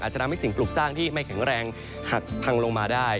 จะทำให้สิ่งปลูกสร้างที่ไม่แข็งแรงหักพังลงมาได้